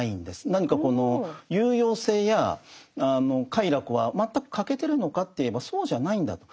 何かこの有用性や快楽は全く欠けてるのかといえばそうじゃないんだと。